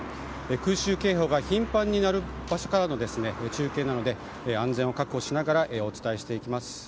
空襲警報が頻繁に鳴る場所からの中継なので、安全を確保しながらお伝えをしていきます。